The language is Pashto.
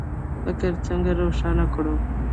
فکر څنګه روښانه کړو؟